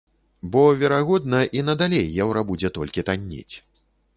Бо, верагодна, і надалей еўра будзе толькі таннець.